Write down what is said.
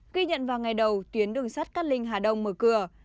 ghi nhận vào ngày đầu tuyến đường sắt cát linh hà đông mở cửa